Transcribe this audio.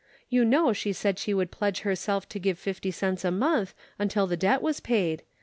You know she said she would pledge her self to give fifty cents a month until the debt was paid.